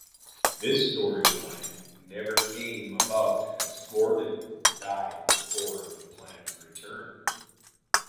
This storyline never came about as Gordon died before the planned return.